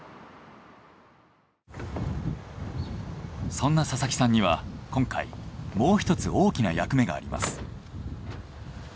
そんな佐々木さんには今回もう１つ大きな役目があります。